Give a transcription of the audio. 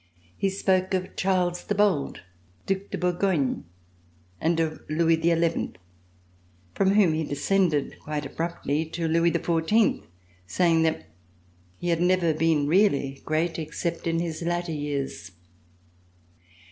He spoke of Charles the Bold, Due de Bourgogne, and of Louis XI, from whom he descended quite abruptly to Louis XIV, saying that he had never been really great except in his latter years.